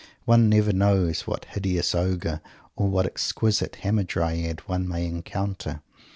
One never knows what hideous ogre or what exquisite hamadryad one may encounter.